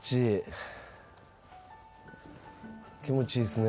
気持ちいいっすね。